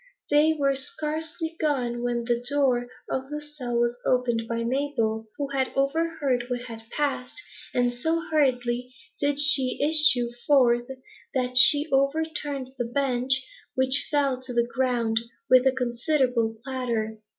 They were scarcely gone, when the door of the cell was opened by Mabel, who had overheard what had passed; and so hurriedly did she issue forth that she over turned the bench, which fell to the ground with a considerable clatter.